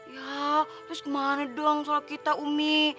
ya terus gimana dong soal kita umi